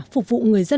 phục vụ người dân